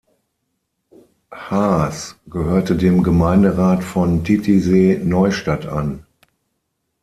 Haas gehörte dem Gemeinderat von Titisee-Neustadt an.